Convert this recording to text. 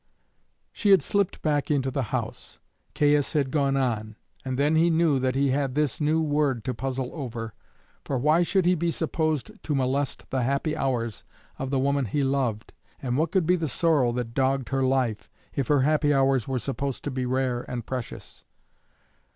She had slipped back into the house; Caius had gone on; and then he knew that he had this new word to puzzle over. For why should he be supposed to molest the happy hours of the woman he loved, and what could be the sorrow that dogged her life, if her happy hours were supposed to be rare and precious?